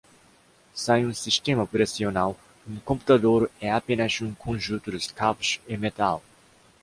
Sem um sistema operacional, um computador é apenas um conjunto de cabos e metal.